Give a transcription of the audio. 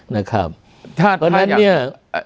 เพราะฉะนั้นเนี่ย